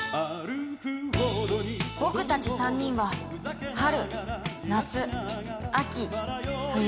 僕たち３人は春夏秋冬。